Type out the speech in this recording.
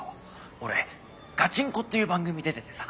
俺『ガチンコ！』っていう番組出ててさ。